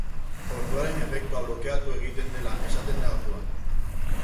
Orduaren efektua blokeatu egiten dela esaten da orduan.